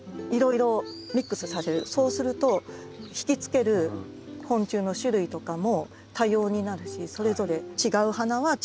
そうすると引きつける昆虫の種類とかも多様になるしそれぞれ違う花は違う虫。